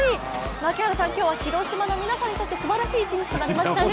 槙原さん、今日は広島の皆さんにとってすばらしい一日となりましたね。